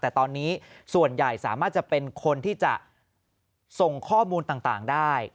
แต่ตอนนี้ส่วนใหญ่สามารถจะเป็นคนที่จะส่งข้อมูลต่างได้